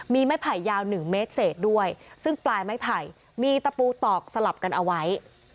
มีไม้ไผ่ยาว๑เมตรเศษด้วยซึ่งปลายไม้ไผ่มีตะปูตอกสลับกันเอาไว้